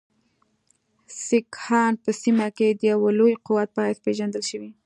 سیکهان په سیمه کې د یوه لوی قوت په حیث پېژندل شوي.